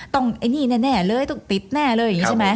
ต้องติดแน่เลย